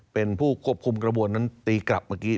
เป็นผู้ควบคุมกระบวนนั้นตีกลับเมื่อกี้